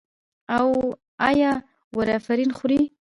ایا وارفرین خورئ؟